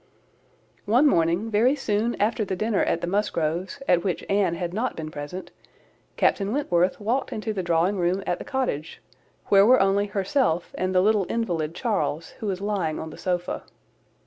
One morning, very soon after the dinner at the Musgroves, at which Anne had not been present, Captain Wentworth walked into the drawing room at the Cottage, where were only herself and the little invalid Charles, who was lying on the sofa.